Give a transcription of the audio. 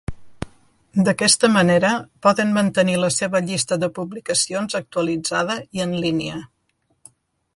D'aquesta manera, poden mantenir la seva llista de publicacions actualitzada i en línia.